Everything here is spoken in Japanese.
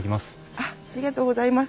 ありがとうございます。